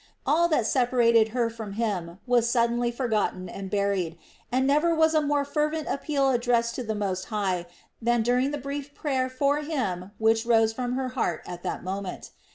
All that separated her from him was suddenly forgotten and buried, and never was a more fervent appeal addressed to the Most High than during the brief prayer for him which rose from her heart at that moment.